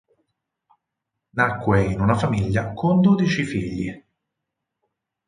Nacque in una famiglia con dodici figli.